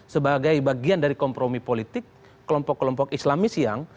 sebagai bagian dari kompromi politik kelompok kelompok islamis yang berdekatan dengan negara